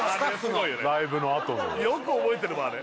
ライブのあとのよく覚えてるもん